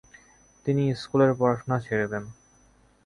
তিনি স্কুলের পড়াশোনা ছেড়ে দেন।